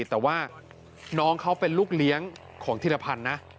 แต่ว่าน้องเขาเป็นลูกเลี้ยงของธิรพันธ์นะ